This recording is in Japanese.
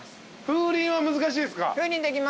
風鈴は難しいですか？